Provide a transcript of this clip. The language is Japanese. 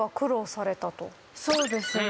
そうですね。